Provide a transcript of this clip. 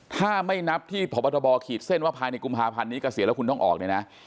ถ้าไม่นับที่พบทบขีดเส้นว่าภายในกุมภาพันธ์นี้เกษียณแล้วคุณต้องออกเนี่ยนะ